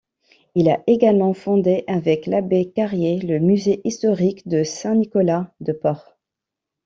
Il a également fondé avec l'abbé Carrier le Musée historique de Saint-Nicolas-de-Port.